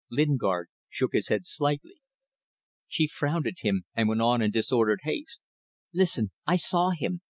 Lingard shook his head slightly. She frowned at him, and went on in disordered haste "Listen. I saw him.